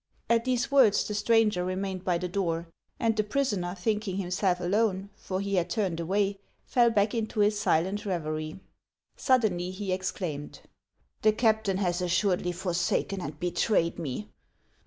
At these words the stranger remained by the door ; and the prisoner, thinking himself alone, — for he had turned away, — fell back into his silent revery. Suddenly he exclaimed :" The captain has assuredly forsaken and be trayed me